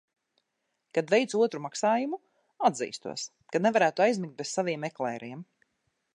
Kad veicu otru maksājumu, atzīstos, ka nevarētu aizmigt bez saviem eklēriem.